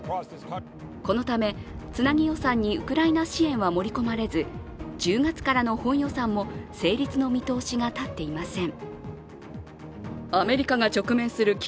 このため、つなぎ予算にウクライナ支援は盛り込まれず、１０月からの本予算も成立の見通しが立っていません。